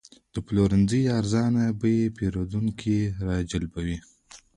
د پلورنځي ارزانه بیې پیرودونکي راجلبوي.